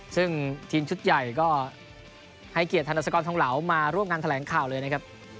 ซึ่งทีมชุดใหญ่ก็ให้เกียรติธนสกรทองเหลามาร่วมงานแถลงข่าวเลยนะครับ